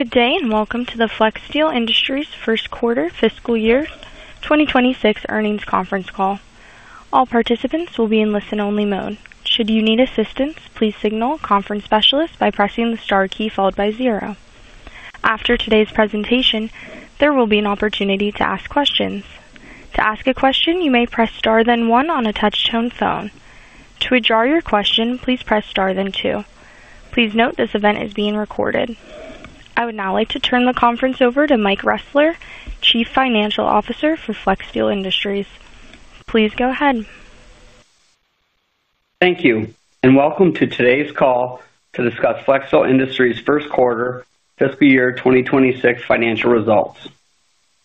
Today, and Welcome to the Flexsteel Industries first quarter fiscal year 2026 earnings conference call. All participants will be in listen-only model. Should you need assistance, please signal a conference specialist by pressing the star key followed by zero. After today's presentation, there will be an opportunity to ask questions. To ask a question, you may press star then one on a touch-tone phone. To withdraw your question, please press star then two. Please note this event is being recorded. I would now like to turn the conference over to Mike Ressler, Chief Financial Officer for Flexsteel Industries. Please go ahead. Thank you, and Welcome to today's call to discuss Flexsteel Industries' first quarter fiscal year 2026 financial results.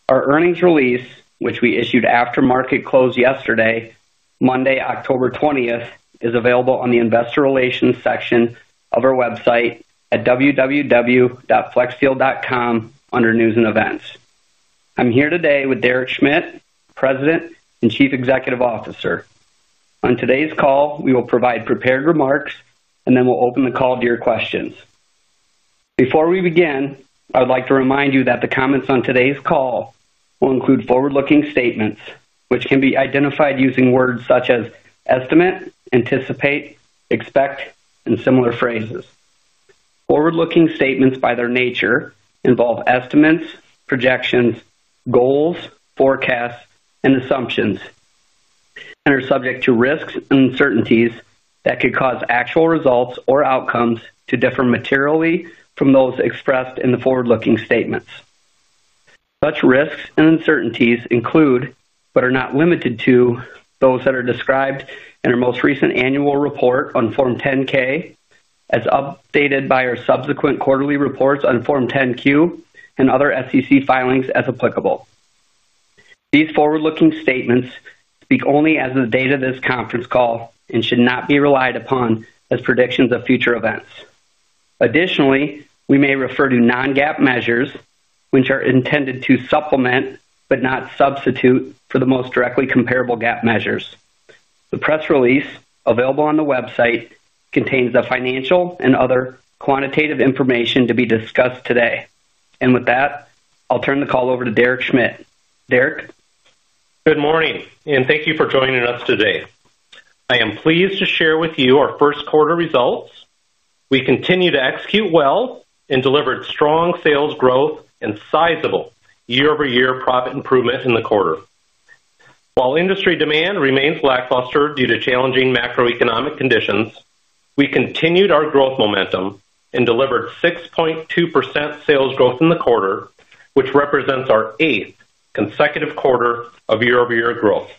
Our earnings release, which we issued after market close yesterday, Monday, October 20th, is available on the Investor Relations section of our website at www.flexsteel.com under News and Events. I'm here today with Derek Schmidt, President and Chief Executive Officer. On today's call, we will provide prepared remarks, then we'll open the call to your questions. Before we begin, I would like to remind you that the comments on today's call will include forward-looking statements, which can be identified using words such as estimate, anticipate, expect, and similar phrases. Forward-looking statements, by their nature, involve estimates, projections, goals, forecasts, and assumptions, and are subject to risks and uncertainties that could cause actual results or outcomes to differ materially from those expressed in the forward-looking statements. Such risks and uncertainties include, but are not limited to, those that are described in our most recent annual report on Form 10-K, as updated by our subsequent quarterly reports on Form 10-Q and other SEC filings as applicable. These forward-looking statements speak only as of the date of this conference call and should not be relied upon as predictions of future events. Additionally, we may refer to non-GAAP measures, which are intended to supplement but not substitute for the most directly comparable GAAP measures. The press release, available on the website, contains the financial and other quantitative information to be discussed today. With that, I'll turn the call over to Derek Schmidt. Derek? Good morning, and thank you for joining us today. I am pleased to share with you our first quarter results. We continued to execute well and delivered strong sales growth and sizable year-over-year profit improvement in the quarter. While industry demand remains lackluster due to challenging macroeconomic conditions, we continued our growth momentum and delivered 6.2% sales growth in the quarter, which represents our eighth consecutive quarter of year-over-year growth.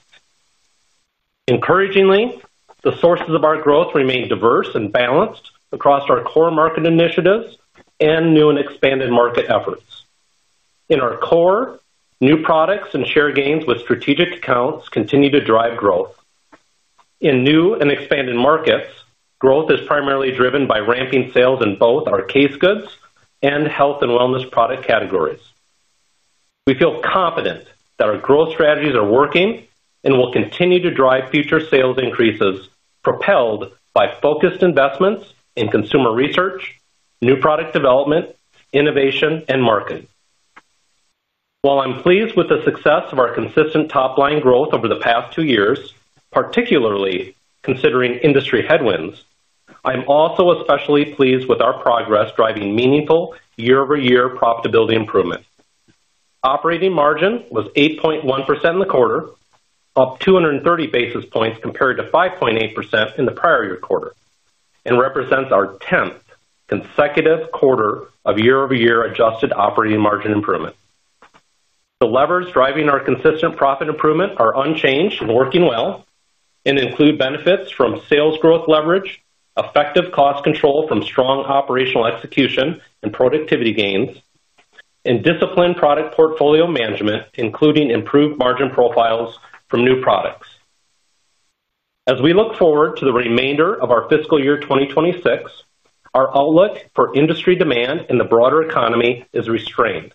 Encouragingly, the sources of our growth remain diverse and balanced across our core market initiatives and new and expanded market efforts. In our core, new products and share gains with strategic accounts continue to drive growth. In new and expanded markets, growth is primarily driven by ramping sales in both our case goods and health and wellness product categories. We feel confident that our growth strategies are working and will continue to drive future sales increases propelled by focused investments in consumer research, new product development, innovation, and marketing. While I'm pleased with the success of our consistent top-line growth over the past two years, particularly considering industry headwinds, I'm also especially pleased with our progress driving meaningful year-over-year profitability improvement. Operating margin was 8.1% in the quarter, up 230 basis points compared to 5.8% in the prior year quarter, and represents our 10th consecutive quarter of year-over-year adjusted operating margin improvement. The levers driving our consistent profit improvement are unchanged and working well and include benefits from sales growth leverage, effective cost control from strong operational execution and productivity gains, and disciplined product portfolio management, including improved margin profiles from new products. As we look forward to the remainder of our fiscal year 2026, our outlook for industry demand in the broader economy is restrained.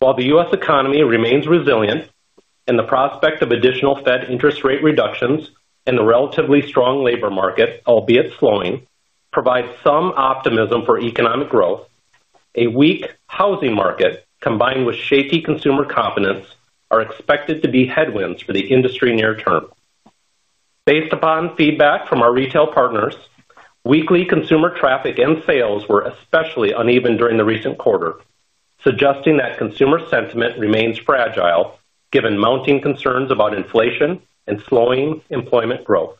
While the U.S. economy remains resilient and the prospect of additional Fed interest rate reductions and the relatively strong labor market, albeit slowing, provide some optimism for economic growth, a weak housing market combined with shaky consumer confidence are expected to be headwinds for the industry near term. Based upon feedback from our retail partners, weekly consumer traffic and sales were especially uneven during the recent quarter, suggesting that consumer sentiment remains fragile given mounting concerns about inflation and slowing employment growth.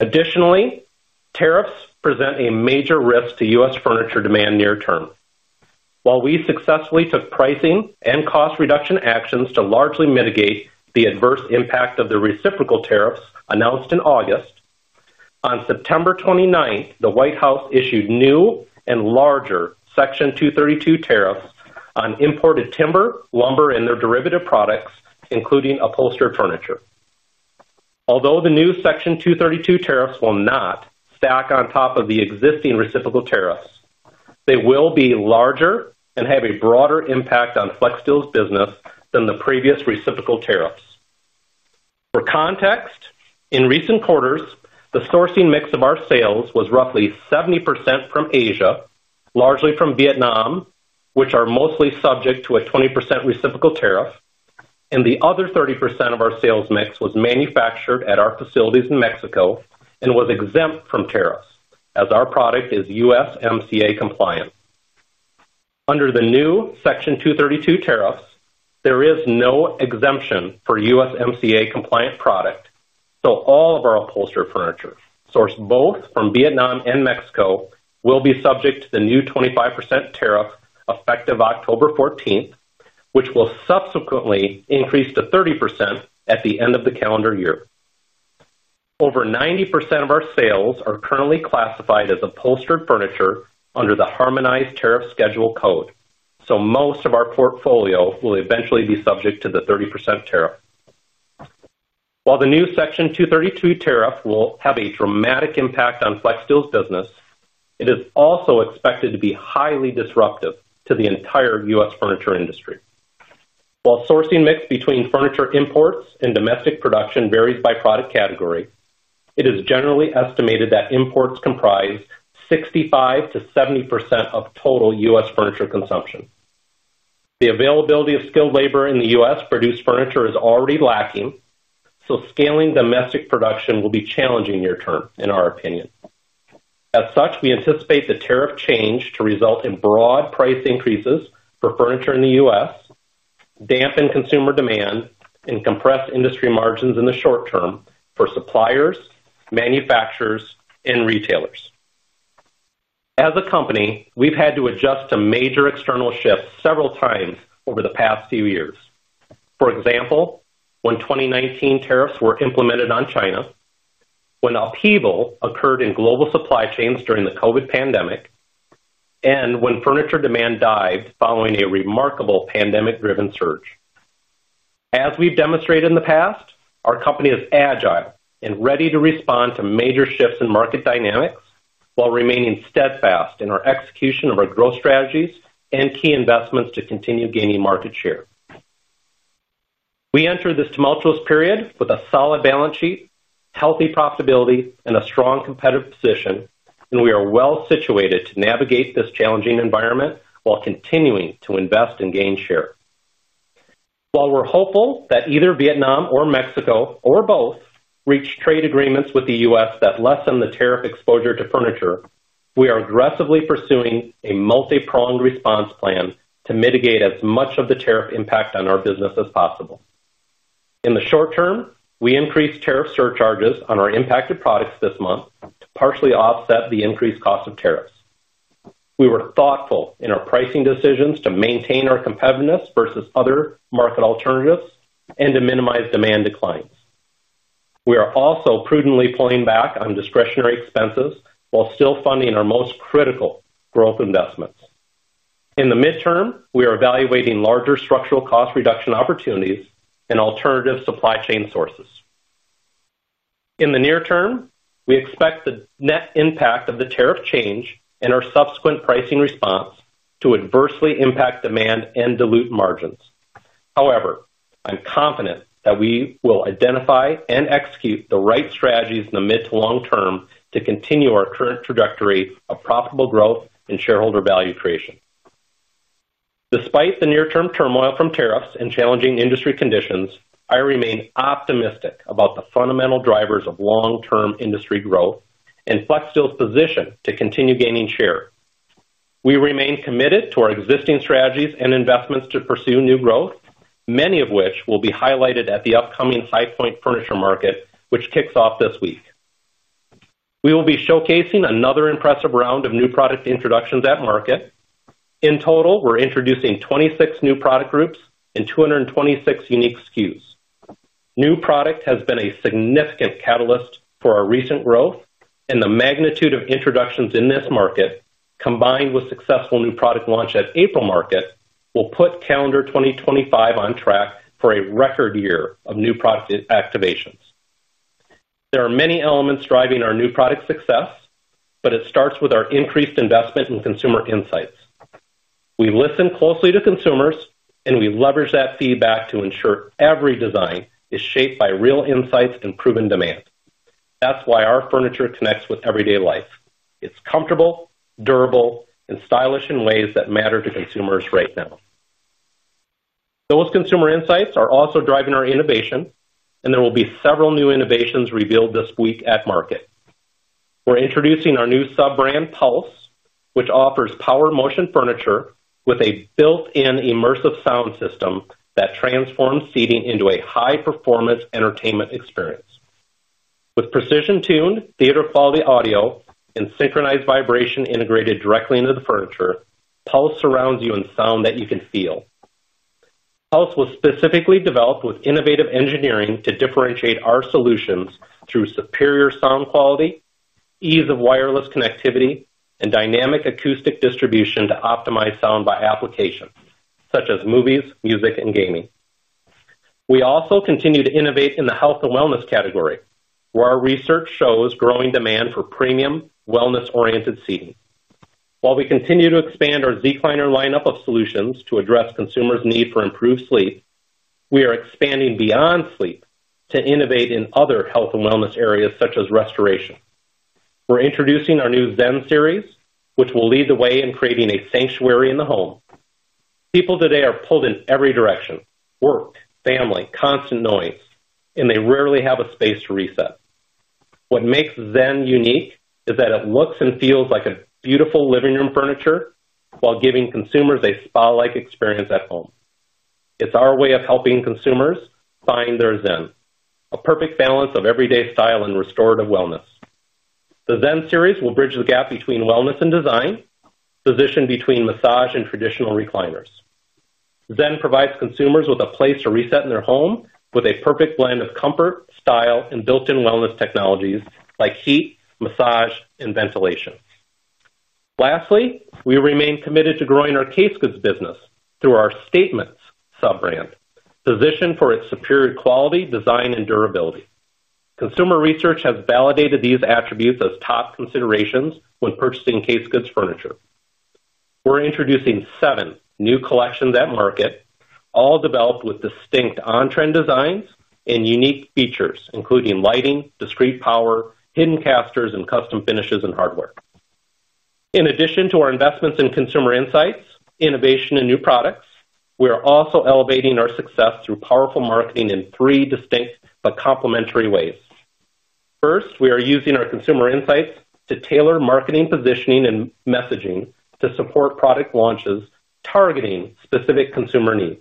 Additionally, tariffs present a major risk to U.S. furniture demand near term. While we successfully took pricing and cost reduction actions to largely mitigate the adverse impact of the reciprocal tariffs announced in August, on September 29th, the White House issued new and larger Section 232 tariffs on imported timber, lumber, and their derivative products, including upholstered furniture. Although the new Section 232 tariffs will not stack on top of the existing reciprocal tariffs, they will be larger and have a broader impact on Flexsteel Industries' business than the previous reciprocal tariffs. For context, in recent quarters, the sourcing mix of our sales was roughly 70% from Asia, largely from Vietnam, which are mostly subject to a 20% reciprocal tariff, and the other 30% of our sales mix was manufactured at our facilities in Mexico and was exempt from tariffs as our product is USMCA compliant. Under the new Section 232 tariffs, there is no exemption for USMCA compliant product, so all of our upholstered furniture sourced both from Vietnam and Mexico will be subject to the new 25% tariff effective October 14th, which will subsequently increase to 30% at the end of the calendar year. Over 90% of our sales are currently classified as upholstered furniture under the Harmonized Tariff Schedule Code, so most of our portfolio will eventually be subject to the 30% tariff. While the new Section 232 tariff will have a dramatic impact on Flexsteel Industries' business, it is also expected to be highly disruptive to the entire U.S. furniture industry. While sourcing mix between furniture imports and domestic production varies by product category, it is generally estimated that imports comprise 65%-70% of total U.S. furniture consumption. The availability of skilled labor in the U.S. to produce furniture is already lacking, so scaling domestic production will be challenging near term, in our opinion. As such, we anticipate the tariff change to result in broad price increases for furniture in the U.S., dampen consumer demand, and compress industry margins in the short term for suppliers, manufacturers, and retailers. As a company, we've had to adjust to major external shifts several times over the past few years. For example, when 2019 tariffs were implemented on China, when upheaval occurred in global supply chains during the COVID pandemic, and when furniture demand dived following a remarkable pandemic-driven surge. As we've demonstrated in the past, our company is agile and ready to respond to major shifts in market dynamics while remaining steadfast in our execution of our growth strategies and key investments to continue gaining market share. We entered this tumultuous period with a solid balance sheet, healthy profitability, and a strong competitive position, and we are well situated to navigate this challenging environment while continuing to invest and gain share. While we're hopeful that either Vietnam or Mexico or both reach trade agreements with the U.S. that lessen the tariff exposure to furniture, we are aggressively pursuing a multipronged response plan to mitigate as much of the tariff impact on our business as possible. In the short term, we increased tariff surcharges on our impacted products this month to partially offset the increased cost of tariffs. We were thoughtful in our pricing decisions to maintain our competitiveness versus other market alternatives and to minimize demand declines. We are also prudently pulling back on discretionary expenses while still funding our most critical growth investments. In the midterm, we are evaluating larger structural cost reduction opportunities and alternative supply chain sources. In the near term, we expect the net impact of the tariff change and our subsequent pricing response to adversely impact demand and dilute margins. However, I'm confident that we will identify and execute the right strategies in the mid to long term to continue our current trajectory of profitable growth and shareholder value creation. Despite the near-term turmoil from tariffs and challenging industry conditions, I remain optimistic about the fundamental drivers of long-term industry growth and Flexsteel Industries' position to continue gaining share. We remain committed to our existing strategies and investments to pursue new growth, many of which will be highlighted at the upcoming High Point Furniture Market, which kicks off this week. We will be showcasing another impressive round of new product introductions at market. In total, we're introducing 26 new product groups and 226 unique SKUs. New product has been a significant catalyst for our recent growth, and the magnitude of introductions in this market, combined with successful new product launch at April market, will put calendar 2025 on track for a record year of new product activations. There are many elements driving our new product success, but it starts with our increased investment in consumer insights. We listen closely to consumers, and we leverage that feedback to ensure every design is shaped by real insights and proven demand. That's why our furniture connects with everyday life. It's comfortable, durable, and stylish in ways that matter to consumers right now. Those consumer insights are also driving our innovation, and there will be several new innovations revealed this week at market. We're introducing our new sub-brand Pulse, which offers power motion furniture with a built-in immersive sound system that transforms seating into a high-performance entertainment experience. With precision-tuned theater quality audio and synchronized vibration integrated directly into the furniture, Pulse surrounds you in sound that you can feel. Pulse was specifically developed with innovative engineering to differentiate our solutions through superior sound quality, ease of wireless connectivity, and dynamic acoustic distribution to optimize sound by application, such as movies, music, and gaming. We also continue to innovate in the health and wellness category, where our research shows growing demand for premium wellness-oriented seating. While we continue to expand our Zecliner lineup of solutions to address consumers' need for improved sleep, we are expanding beyond sleep to innovate in other health and wellness areas, such as restoration. We're introducing our new Zen series, which will lead the way in creating a sanctuary in the home. People today are pulled in every direction: work, family, constant noise, and they rarely have a space to reset. What makes Zen unique is that it looks and feels like a beautiful living room furniture while giving consumers a spa-like experience at home. It's our way of helping consumers find their Zen, a perfect balance of everyday style and restorative wellness. The Zen series will bridge the gap between wellness and design, positioned between massage and traditional recliners. Zen provides consumers with a place to reset in their home with a perfect blend of comfort, style, and built-in wellness technologies like heat, massage, and ventilation. Lastly, we remain committed to growing our case goods business through our Statements sub-brand, positioned for its superior quality, design, and durability. Consumer research has validated these attributes as top considerations when purchasing case goods furniture. We're introducing seven new collections at market, all developed with distinct on-trend designs and unique features, including lighting, discrete power, hidden casters, and custom finishes and hardware. In addition to our investments in consumer insights, innovation, and new products, we are also elevating our success through powerful marketing in three distinct but complementary ways. First, we are using our consumer insights to tailor marketing positioning and messaging to support product launches targeting specific consumer needs.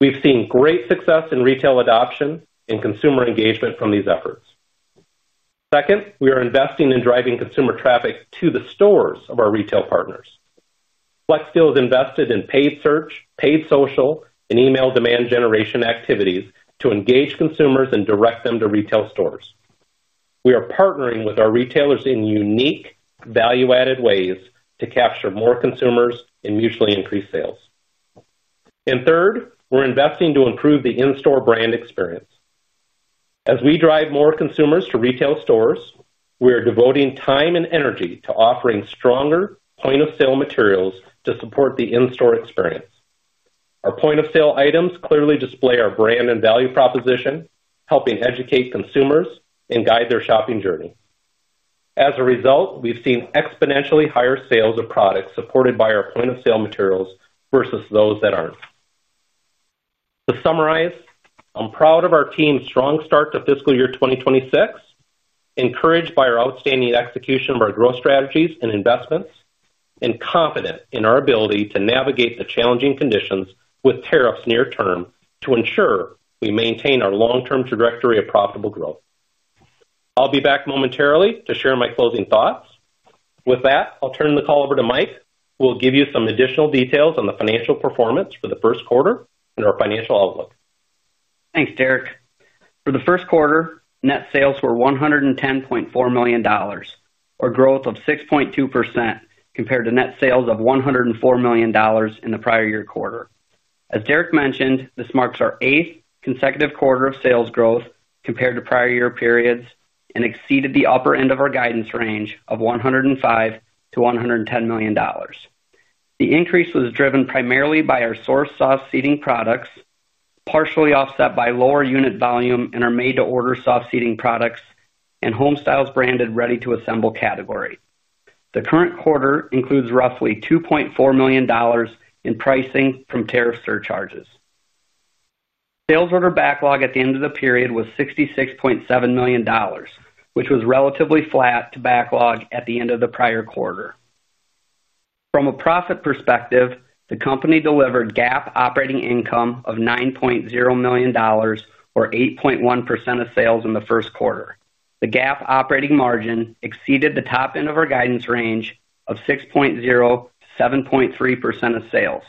We've seen great success in retail adoption and consumer engagement from these efforts. Second, we are investing in driving consumer traffic to the stores of our retail partners. Flexsteel Industries has invested in paid search, paid social, and email demand generation activities to engage consumers and direct them to retail stores. We are partnering with our retailers in unique value-added ways to capture more consumers and mutually increase sales. Third, we're investing to improve the in-store brand experience. As we drive more consumers to retail stores, we are devoting time and energy to offering stronger point-of-sale materials to support the in-store experience. Our point-of-sale items clearly display our brand and value proposition, helping educate consumers and guide their shopping journey. As a result, we've seen exponentially higher sales of products supported by our point-of-sale materials versus those that aren't. To summarize, I'm proud of our team's strong start to fiscal year 2026, encouraged by our outstanding execution of our growth strategies and investments, and confident in our ability to navigate the challenging conditions with tariffs near term to ensure we maintain our long-term trajectory of profitable growth. I'll be back momentarily to share my closing thoughts. With that, I'll turn the call over to Mike, who will give you some additional details on the financial performance for the first quarter and our financial outlook. Thanks, Derek. For the first quarter, net sales were $110.4 million, a growth of 6.2% compared to net sales of $104 million in the prior year quarter. As Derek mentioned, this marks our eighth consecutive quarter of sales growth compared to prior year periods and exceeded the upper end of our guidance range of $105 million-$110 million. The increase was driven primarily by our source soft seating products, partially offset by lower unit volume in our made-to-order soft seating products and Home Styles branded ready-to-assemble category. The current quarter includes roughly $2.4 million in pricing from tariff surcharges. Sales order backlog at the end of the period was $66.7 million, which was relatively flat to backlog at the end of the prior quarter. From a profit perspective, the company delivered GAAP operating income of $9.0 million, or 8.1% of sales in the first quarter. The GAAP operating margin exceeded the top end of our guidance range of 6.0%-7.3% of sales.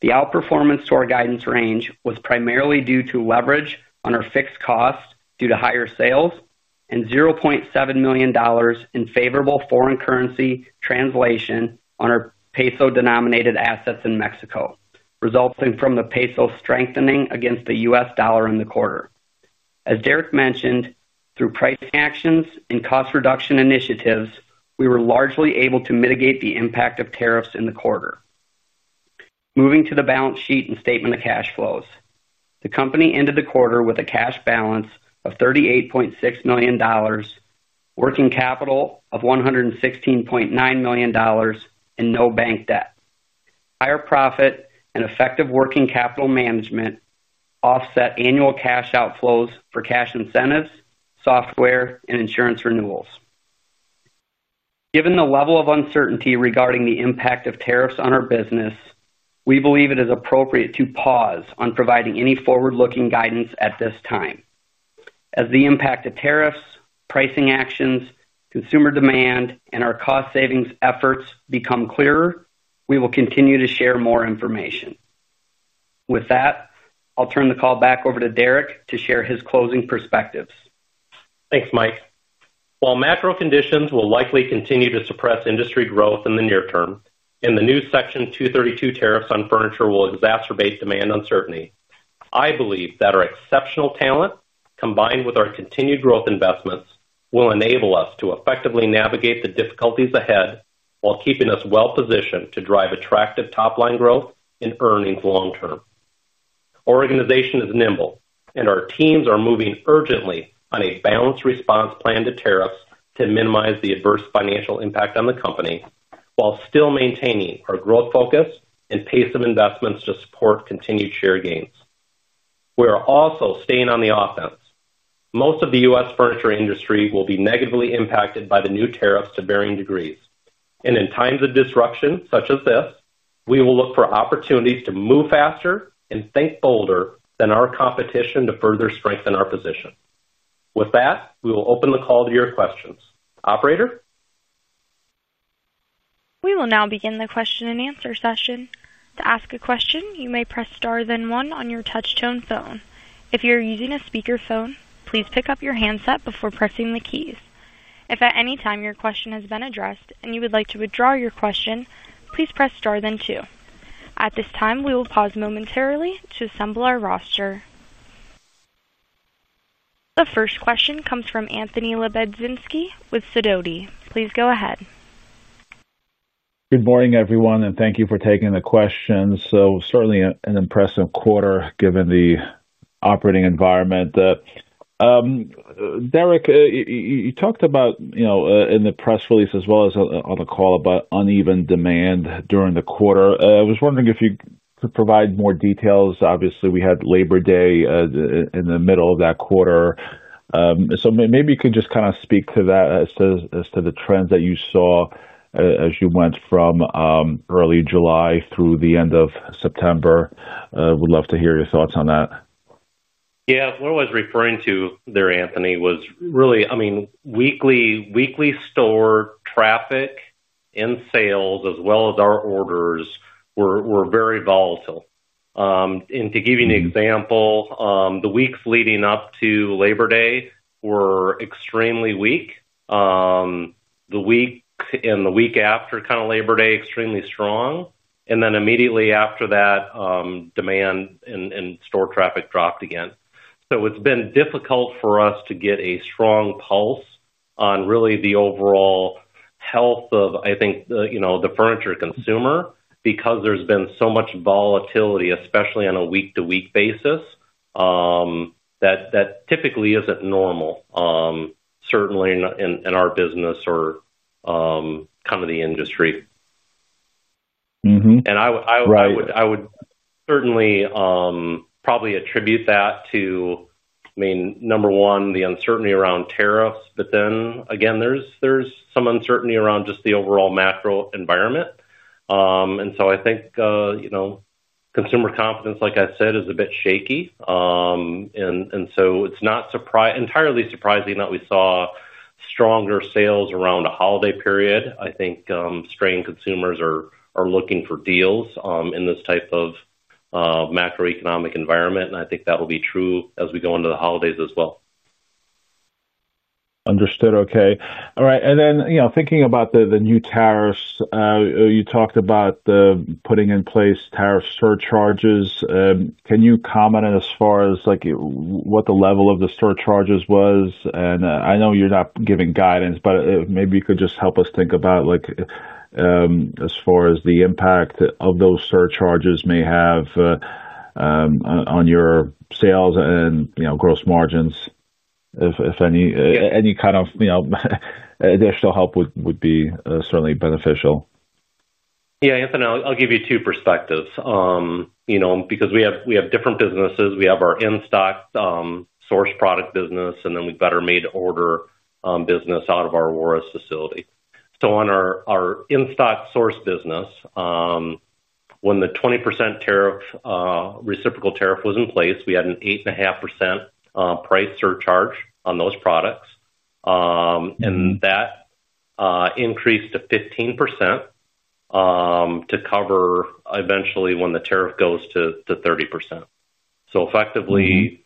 The outperformance to our guidance range was primarily due to leverage on our fixed cost due to higher sales and $0.7 million in favorable foreign currency translation on our peso-denominated assets in Mexico, resulting from the peso strengthening against the U.S. dollar in the quarter. As Derek mentioned, through price actions and cost reduction initiatives, we were largely able to mitigate the impact of tariffs in the quarter. Moving to the balance sheet and statement of cash flows, the company ended the quarter with a cash balance of $38.6 million, working capital of $116.9 million, and no bank debt. Higher profit and effective working capital management offset annual cash outflows for cash incentives, software, and insurance renewals. Given the level of uncertainty regarding the impact of tariffs on our business, we believe it is appropriate to pause on providing any forward-looking guidance at this time. As the impact of tariffs, pricing actions, consumer demand, and our cost savings efforts become clearer, we will continue to share more information. With that, I'll turn the call back over to Derek to share his closing perspectives. Thanks, Mike. While macro conditions will likely continue to suppress industry growth in the near term, and the new Section 232 tariffs on furniture will exacerbate demand uncertainty, I believe that our exceptional talent, combined with our continued growth investments, will enable us to effectively navigate the difficulties ahead while keeping us well-positioned to drive attractive top-line growth and earnings long term. Our organization is nimble, and our teams are moving urgently on a balanced response plan to tariffs to minimize the adverse financial impact on the company while still maintaining our growth focus and pace of investments to support continued share gains. We are also staying on the offense. Most of the U.S. furniture industry will be negatively impacted by the new tariffs to varying degrees. In times of disruption such as this, we will look for opportunities to move faster and think bolder than our competition to further strengthen our position. With that, we will open the call to your questions. Operator? We will now begin the question and answer session. To ask a question, you may press star then one on your touch-tone phone. If you're using a speaker phone, please pick up your handset before pressing the keys. If at any time your question has been addressed and you would like to withdraw your question, please press star then two. At this time, we will pause momentarily to assemble our roster. The first question comes from Anthony Lebiedzinski with Sidoti. Please go ahead. Good morning, everyone, and thank you for taking the questions. Certainly an impressive quarter given the operating environment. Derek, you talked about, you know, in the press release as well as on the call about uneven demand during the quarter. I was wondering if you could provide more details. Obviously, we had Labor Day in the middle of that quarter. Maybe you could just kind of speak to that as to the trends that you saw as you went from early July through the end of September. We'd love to hear your thoughts on that. Yeah, what I was referring to there, Anthony, was really, I mean, weekly store traffic and sales as well as our orders were very volatile. To give you an example, the weeks leading up to Labor Day were extremely weak. The week and the week after Labor Day were extremely strong. Immediately after that, demand and store traffic dropped again. It's been difficult for us to get a strong pulse on really the overall health of, I think, you know, the furniture consumer because there's been so much volatility, especially on a week-to-week basis, that typically isn't normal, certainly in our business or the industry. I would probably attribute that to, number one, the uncertainty around tariffs, but then again, there's some uncertainty around just the overall macro environment. I think, you know, consumer confidence, like I said, is a bit shaky. It's not entirely surprising that we saw stronger sales around a holiday period. I think strained consumers are looking for deals in this type of macroeconomic environment. I think that'll be true as we go into the holidays as well. Understood. Okay. All right. Thinking about the new tariffs, you talked about putting in place tariff surcharges. Can you comment as far as what the level of the surcharges was? I know you're not giving guidance, but maybe you could just help us think about as far as the impact those surcharges may have on your sales and gross margins. Any kind of additional help would be certainly beneficial. Yeah, Anthony, I'll give you two perspectives. You know, because we have different businesses. We have our in-stock source product business, and then we've got our made-to-order business out of our Aurora facility. On our in-stock source business, when the 20% reciprocal tariff was in place, we had an 8.5% price surcharge on those products. That increased to 15% to cover eventually when the tariff goes to 30%. Effectively,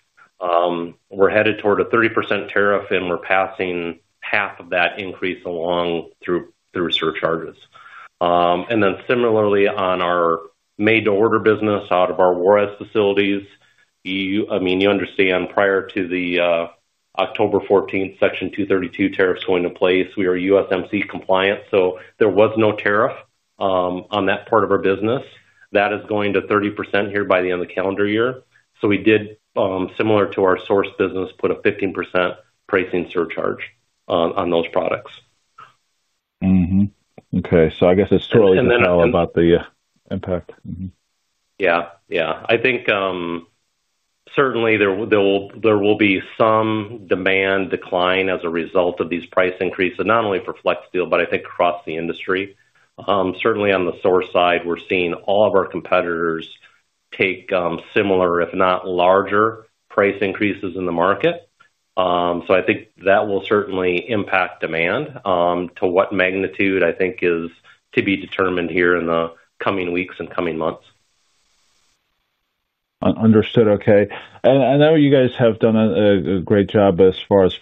we're headed toward a 30% tariff, and we're passing half of that increase along through surcharges. Similarly, on our made-to-order business out of our Aurora facilities, prior to the October 14th, Section 232 tariffs going into place, we are USMCA compliant. There was no tariff on that part of our business. That is going to 30% here by the end of the calendar year. We did, similar to our source business, put a 15% pricing surcharge on those products. Okay, I guess it's too early to tell about the impact. I think certainly there will be some demand decline as a result of these price increases, not only for Flexsteel Industries, but I think across the industry. Certainly on the source side, we're seeing all of our competitors take similar, if not larger, price increases in the market. I think that will certainly impact demand. To what magnitude, I think is to be determined here in the coming weeks and coming months. Understood. Okay. I know you guys have done a great job as far as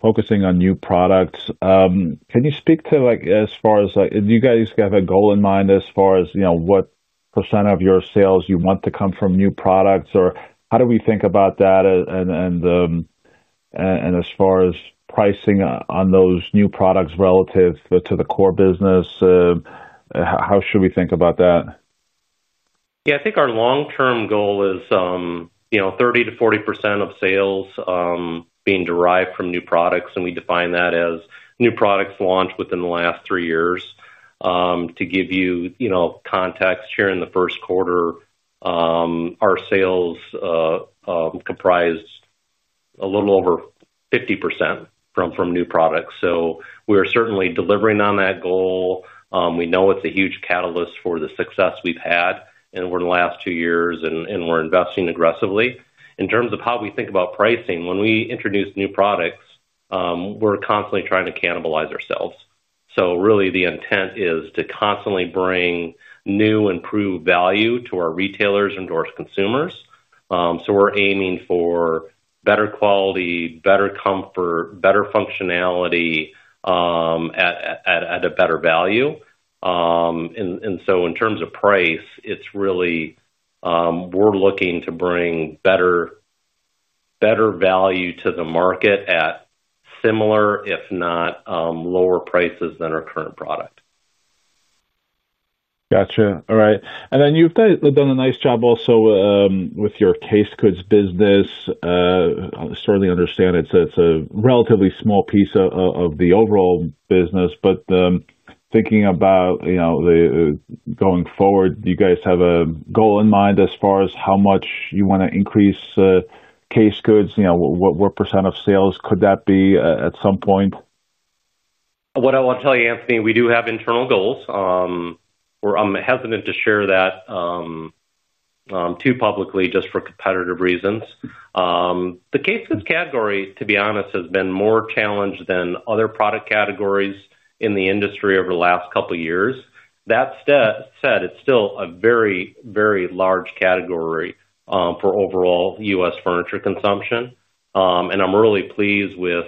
focusing on new products. Can you speak to, do you guys have a goal in mind as far as what percent of your sales you want to come from new products? How do we think about that? As far as pricing on those new products relative to the core business, how should we think about that? I think our long-term goal is 30%-40% of sales being derived from new products. We define that as new products launched within the last three years. To give you context, here in the first quarter, our sales comprised a little over 50% from new products. We are certainly delivering on that goal. We know it's a huge catalyst for the success we've had in the last two years, and we're investing aggressively. In terms of how we think about pricing, when we introduce new products, we're constantly trying to cannibalize ourselves. The intent is to constantly bring new and improved value to our retailers and to our consumers. We're aiming for better quality, better comfort, better functionality at a better value. In terms of price, we're looking to bring better value to the market at similar, if not lower prices than our current product. Gotcha. All right. You've done a nice job also with your case goods business. I certainly understand it's a relatively small piece of the overall business. Thinking about going forward, do you guys have a goal in mind as far as how much you want to increase case goods? What percent of sales could that be at some point? What I will tell you, Anthony, we do have internal goals. I'm hesitant to share that too publicly just for competitive reasons. The case goods category, to be honest, has been more challenged than other product categories in the industry over the last couple of years. That said, it's still a very, very large category for overall U.S. furniture consumption. I'm really pleased with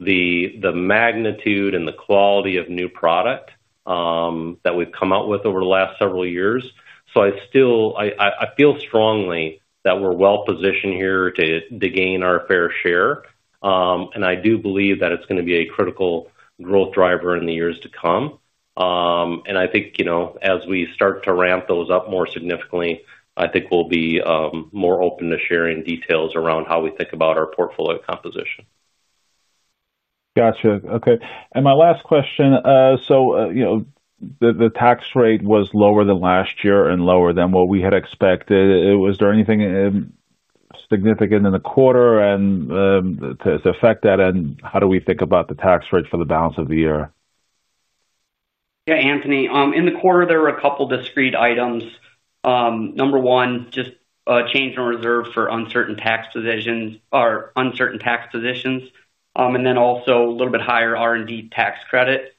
the magnitude and the quality of new product that we've come out with over the last several years. I feel strongly that we're well positioned here to gain our fair share. I do believe that it's going to be a critical growth driver in the years to come. I think as we start to ramp those up more significantly, we'll be more open to sharing details around how we think about our portfolio composition. Gotcha. Okay. My last question, the tax rate was lower than last year and lower than what we had expected. Was there anything significant in the quarter to affect that? How do we think about the tax rate for the balance of the year? Yeah, Anthony, in the quarter, there were a couple of discrete items. Number one, just a change in reserve for uncertain tax positions, and then also a little bit higher R&D tax credit.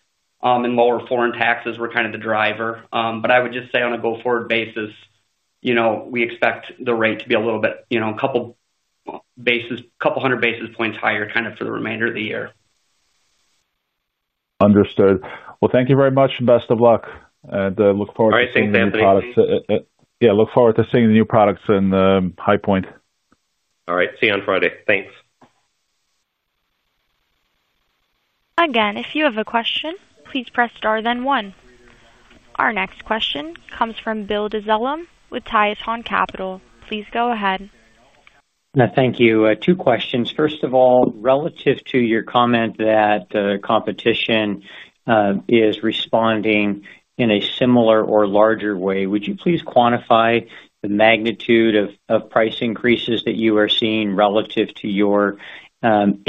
Lower foreign taxes were kind of the driver. I would just say on a go-forward basis, you know, we expect the rate to be a little bit, you know, a couple hundred basis points higher for the remainder of the year. Thank you very much, and best of luck. I look forward to seeing the new products Yeah, look forward to seeing the new products in High Point. All right. See you on Friday. Thanks. Again, if you have a question, please press star then one. Our next question comes from Bill Dezellem with Tieton Capital. Please go ahead. Yeah, thank you. Two questions. First of all, relative to your comment that the competition is responding in a similar or larger way, would you please quantify the magnitude of price increases that you are seeing relative to your 8% and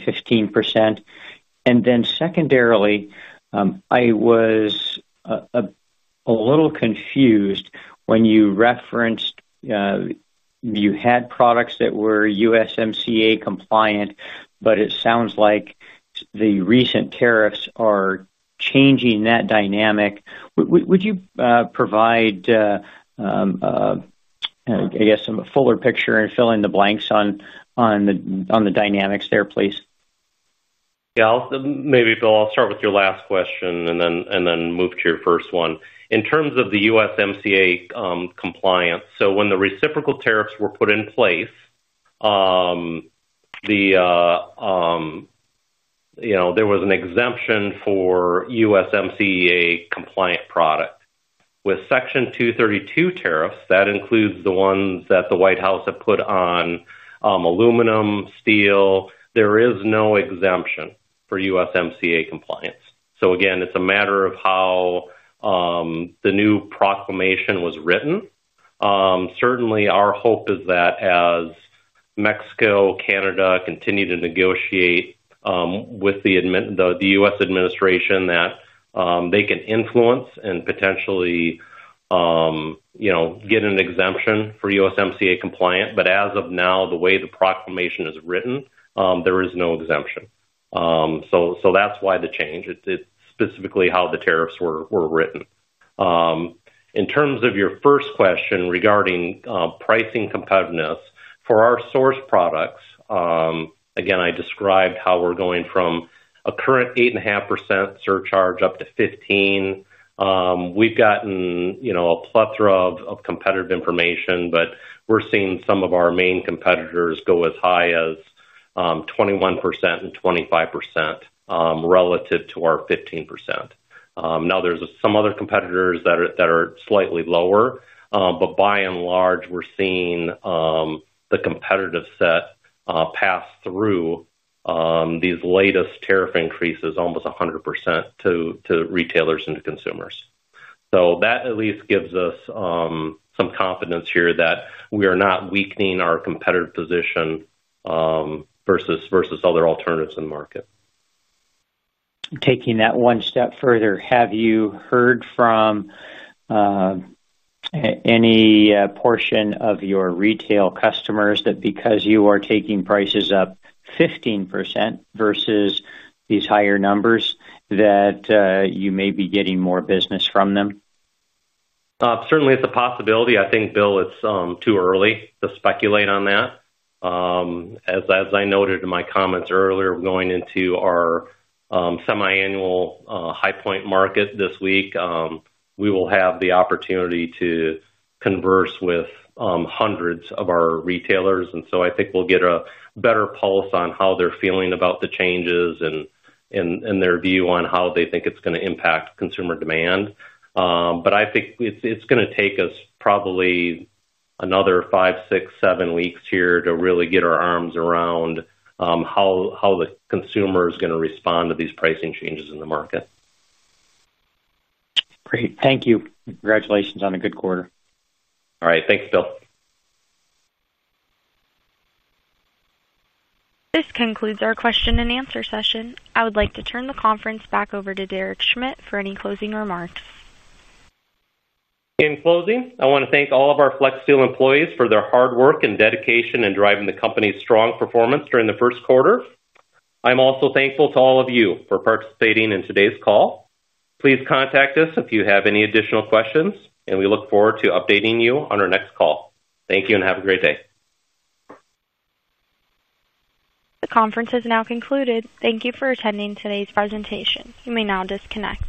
15%? Secondarily, I was a little confused when you referenced you had products that were USMCA compliant, but it sounds like the recent tariffs are changing that dynamic. Would you provide, I guess, a fuller picture and fill in the blanks on the dynamics there, please? Yeah, maybe, Bill, I'll start with your last question and then move to your first one. In terms of the USMCA compliance, when the reciprocal tariffs were put in place, there was an exemption for USMCA compliant product. With Section 232 tariffs, that includes the ones that the White House had put on aluminum, steel, there is no exemption for USMCA compliance. It's a matter of how the new proclamation was written. Certainly, our hope is that as Mexico, Canada continue to negotiate with the U.S. administration, they can influence and potentially get an exemption for USMCA compliant. As of now, the way the proclamation is written, there is no exemption. That's why the change. It's specifically how the tariffs were written. In terms of your first question regarding pricing competitiveness, for our source products, I described how we're going from a current 8.5% surcharge up to 15%. We've gotten a plethora of competitive information, but we're seeing some of our main competitors go as high as 21% and 25% relative to our 15%. There are some other competitors that are slightly lower, but by and large, we're seeing the competitive set pass through these latest tariff increases almost 100% to retailers and to consumers. That at least gives us some confidence here that we are not weakening our competitive position versus other alternatives in the market. Taking that one step further, have you heard from any portion of your retail customers that because you are taking prices up 15% versus these higher numbers, that you may be getting more business from them? Certainly, it's a possibility. I think, Bill, it's too early to speculate on that. As I noted in my comments earlier, going into our semi-annual High Point Market this week, we will have the opportunity to converse with hundreds of our retailers. I think we'll get a better pulse on how they're feeling about the changes and their view on how they think it's going to impact consumer demand. I think it's going to take us probably another five, six, seven weeks here to really get our arms around how the consumer is going to respond to these pricing changes in the market. Great. Thank you. Congratulations on a good quarter. All right, thanks, Bill. This concludes our question and answer session. I would like to turn the conference back over to Derek Schmidt for any closing remarks. In closing, I want to thank all of our Flexsteel employees for their hard work and dedication in driving the company's strong performance during the first quarter. I'm also thankful to all of you for participating in today's call. Please contact us if you have any additional questions, and we look forward to updating you on our next call. Thank you and have a great day. The conference is now concluded. Thank you for attending today's presentation. You may now disconnect.